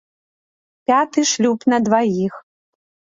Пяты шлюб на дваіх.